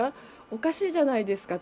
おかしいじゃないですか。